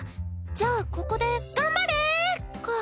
じゃあここで「頑張れ！」か。